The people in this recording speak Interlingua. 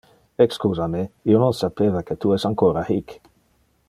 Excusa me, io non sapeva que tu es ancora hic.